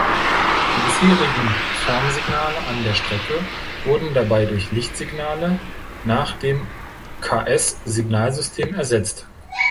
Die bisherigen Formsignale an der Strecke wurden dabei durch Lichtsignale nach dem Ks-Signalsystem ersetzt.